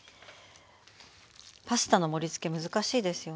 パスタの盛りつけ難しいですよね。